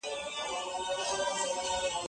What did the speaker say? زه پرون د ښوونځی لپاره تياری وکړ،